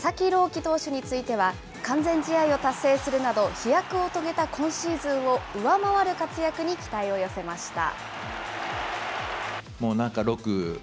希投手については、完全試合を達成するなど、飛躍を遂げた今シーズンを上回る活躍に期待を寄せました。